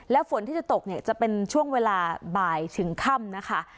และฝนที่จะตกเนี่ยจะเป็นช่วงเวลาบ่ายถึงค่ำนะคะ